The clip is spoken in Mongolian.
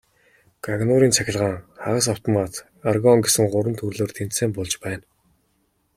Гагнуурын цахилгаан, хагас автомат, аргон гэсэн гурван төрлөөр тэмцээн болж байна.